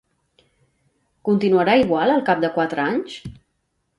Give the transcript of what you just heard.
Continuarà igual al cap de quatre anys?